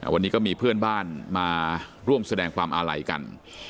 วันนี้ก็มีเพื่อนบ้านมาร่วมแสดงความอาลัยกัน